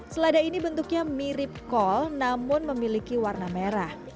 selada ini bentuknya mirip kol namun memiliki warna merah